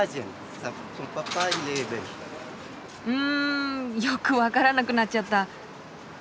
うんよく分からなくなっちゃった。